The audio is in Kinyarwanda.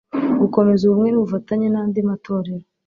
gukomeza ubumwe n ubufatanye nandi matorero